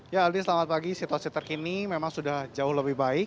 ya aldi selamat pagi situasi terkini memang sudah jauh lebih baik